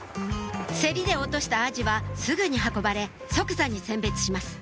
競りで落としたアジはすぐに運ばれ即座に選別します